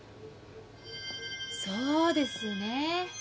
そうですね。